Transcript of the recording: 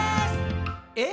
「え？